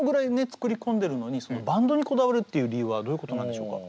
作り込んでるのにバンドにこだわるっていう理由はどういうことなんでしょうか？